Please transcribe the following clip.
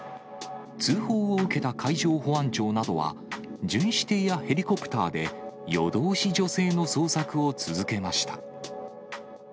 通報を受けた海上保安庁などは、巡視艇やヘリコプターで夜通し、女性の捜索を続けました。